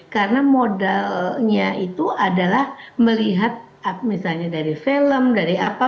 karena modalnya itu adalah melihat misalnya dari film dari apa